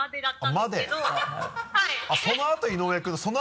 そのあと井上君の。